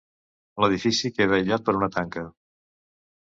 L'edifici queda aïllat per una tanca.